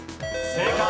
正解。